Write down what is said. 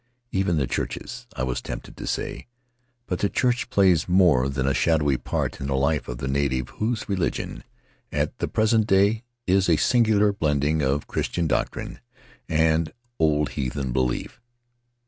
Even the churches, I was tempted to say; but the church plays more than a shadowy part in the life of the native, whose religion, at the present day, is a singular blending of Christian doctrine and old heathen belief.